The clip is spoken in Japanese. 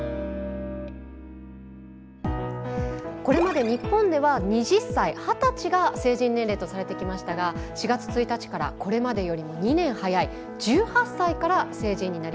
これまで日本では２０歳二十歳が成人年齢とされてきましたが４月１日からこれまでよりも２年早い１８歳から成人になります。